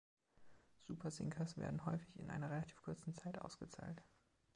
Super sinkers werden häufig in einer relativ kurzen Zeit ausgezahlt.